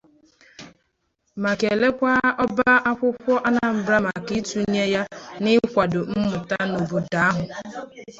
ma kelekwa ọba akwụkwọ Anambra maka ntụnye ya n'ịkwàdo mmụta n'obodo ahụ.